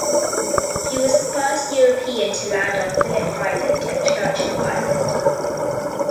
He was the first European to land on Phillip Island and Churchill Island.